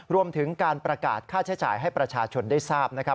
รวมถึงการประกาศค่าใช้จ่ายให้ประชาชนได้ทราบ